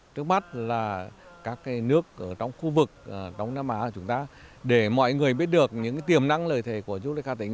trước mắt là các nước trong khu vực trong nam á của chúng ta để mọi người biết được những tiềm năng lời thề của du lịch hà tĩnh